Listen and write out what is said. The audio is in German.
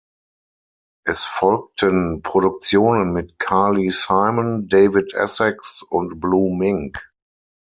Es folgten Produktionen mit Carly Simon, David Essex und Blue Mink.